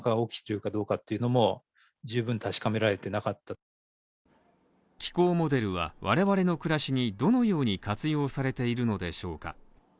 気温が上昇すると気候モデルは、我々の暮らしにどのように活用されているのでしょうか？